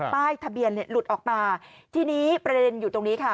ป้ายทะเบียนหลุดออกมาทีนี้ประเด็นอยู่ตรงนี้ค่ะ